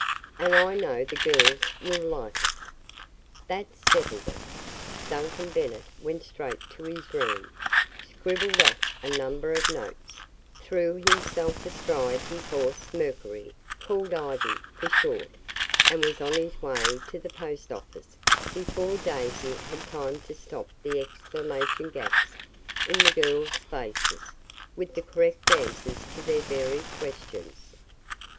"And I know the girls will like it." That settled it. Duncan Bennet went straight to his room, scribbled off a number of notes, threw himself astride his horse Mercury (called Ivy for short), and was on his way to the post office before Daisy had time to stop the exclamation gaps in the girls' faces with the correct answers to their varied questions.